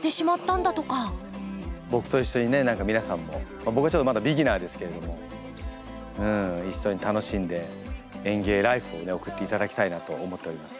僕と一緒にね何か皆さんも僕はちょっとまだビギナーですけれども一緒に楽しんで園芸ライフをね送って頂きたいなと思っております。